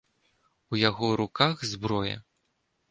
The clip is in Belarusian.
У яго руках зброя.